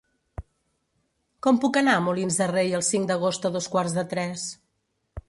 Com puc anar a Molins de Rei el cinc d'agost a dos quarts de tres?